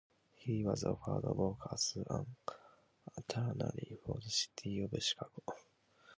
He was offered work as an attorney for the city of Chicago.